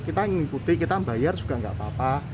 kita ingin mengikuti kita membayar juga tidak apa apa